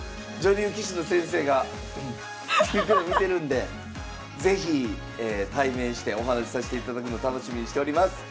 女流棋士の先生が「うん」っていうのを見てるんで是非対面してお話しさしていただくの楽しみにしております。